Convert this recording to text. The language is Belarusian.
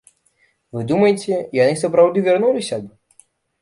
Вы думаеце, яны сапраўды вярнуліся б?